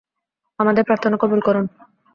আমাদের প্রার্থনা কবুল করুন।